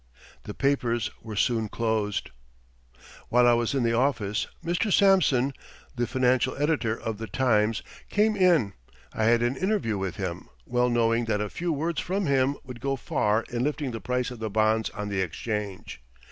The papers were soon closed. [Illustration: JUNIUS SPENCER MORGAN] While I was in the office Mr. Sampson, the financial editor of "The Times," came in. I had an interview with him, well knowing that a few words from him would go far in lifting the price of the bonds on the Exchange.